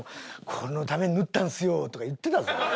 「このために縫ったんですよ」とか言ってたぞ。